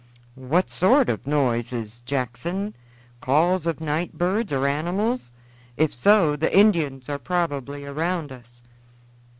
"What sort of noises, Jackson calls of night birds or animals? If so, the Indians are probably around us."